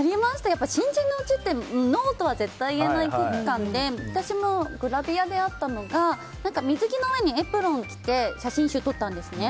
新人のうちってノーとは絶対に言えない空気感で私もグラビアであったのが水着の上にエプロンを着て写真集撮ったんですね。